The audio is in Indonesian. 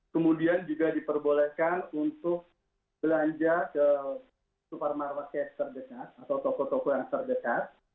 kemudian juga diperbolehkan untuk belanja ke supermarket cas terdekat atau toko toko yang terdekat